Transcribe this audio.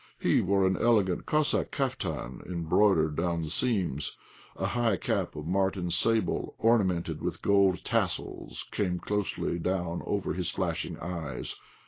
He wore an elegant Cossack caftan, embroidered down the seams. A high cap of marten sable, ornamented with gold tassels, came closely down over his flashing eyes.